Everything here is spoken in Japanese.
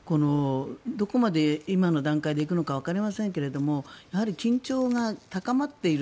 どこまで、今の段階で行くのかわかりませんけれども緊張が高まっている。